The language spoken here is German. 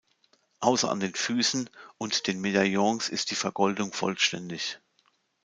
Ausser an den Füssen, und den Medaillons ist die Vergoldung vollständig.